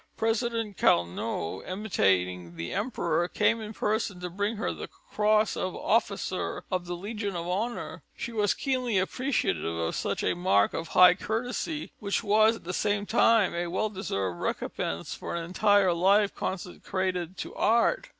President Carnot, imitating the Emperor, came in person to bring her the Cross of Officer of the Legion of Honour. She was keenly appreciative of such a mark of high courtesy, which was at the same time a well deserved recompense for an entire life consecrated to art.